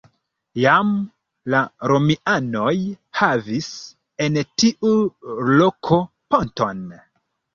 Jam la romianoj havis en tiu loko ponton.